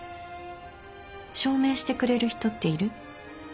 証明してくれる人っている？